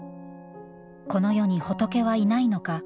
この世に仏はいないのか。